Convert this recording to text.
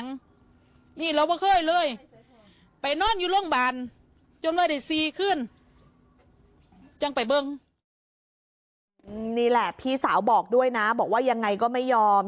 นี่แหละพี่สาวบอกด้วยนะบอกว่ายังไงก็ไม่ยอม